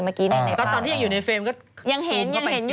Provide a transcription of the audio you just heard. เมื่อกี้ในภาพก็ก็ตอนที่อยู่ในเฟรมก็